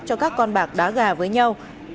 cho các con bạc đá gà với nhau